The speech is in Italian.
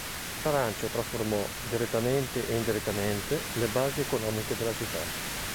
L'arancio trasformò, direttamente e indirettamente, le basi economiche della città.